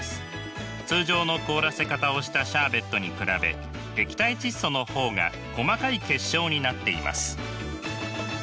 通常の凍らせ方をしたシャーベットに比べ液体窒素の方が細かい結晶になっています。